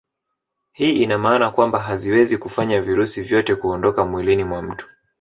Hii ina maana kwamba haziwezi kufanya virusi vyote kuondoka mwilini mwa mtu